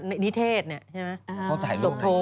นิเทศเนี่ยใช่ไหม